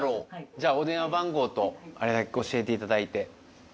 じゃあお電話番号と教えていただいて。